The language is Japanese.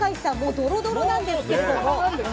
ドロドロなんですけど。